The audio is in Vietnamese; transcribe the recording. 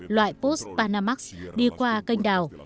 loại post panamax đi qua canh đảo